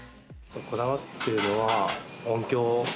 こだわってるのは音響。